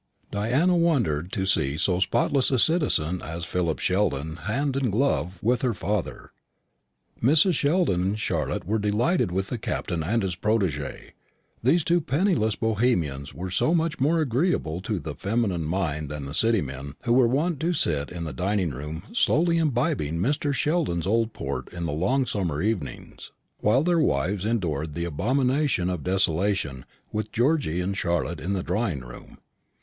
Diana wondered to see so spotless a citizen as Philip Sheldon hand and glove with her father. Mrs. Sheldon and Charlotte were delighted with the Captain and his protégé; these two penniless Bohemians were so much more agreeable to the feminine mind than the City men who were wont to sit in the dining room slowly imbibing Mr. Sheldon's old port in the long summer evenings, while their wives endured the abomination of desolation with Georgy and Charlotte in the drawing room.